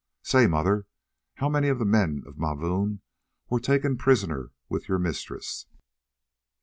Say, mother, how many of the men of Mavoom were taken prisoners with your mistress?"